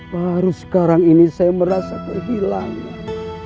baru sekarang ini saya merasa kehilangan